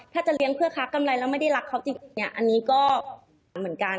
ถ้าจะเลี้ยงเพื่อค้ากำไรแล้วไม่ได้รักเขาจริงเนี่ยอันนี้ก็เหมือนกัน